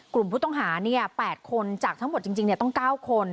กลุ่มผู้ต้องหา๘คนจากทั้งหมดจริงต้อง๙คน